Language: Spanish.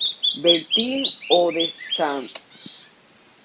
Bertín o de St.